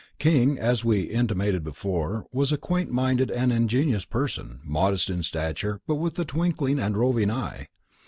King, as we have intimated before, was a quaint minded and ingenious person, modest in stature but with a twinkling and roving eye.